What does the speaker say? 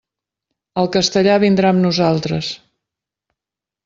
El castellà vindrà amb nosaltres.